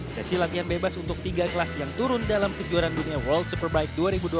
sesi latihan bebas untuk tiga kelas yang turun dalam kejuaraan dunia world superbike dua ribu dua puluh tiga